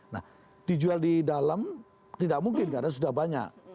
nah dijual di dalam tidak mungkin karena sudah banyak